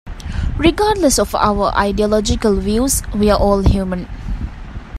Regardless of our ideological views, we are all human.